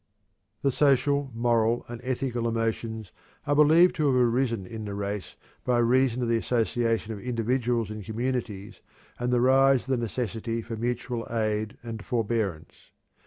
The social, moral, and ethical emotions are believed to have arisen in the race by reason of the association of individuals in communities and the rise of the necessity for mutual aid and forbearance.